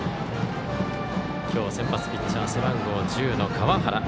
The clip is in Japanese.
きょう先発ピッチャー背番号１０の川原。